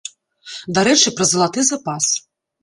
Дарэчы, пра залаты запас.